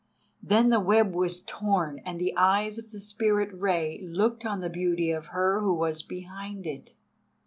Then the web was torn and the eyes of the Spirit of Rei looked on the beauty of her who was behind it.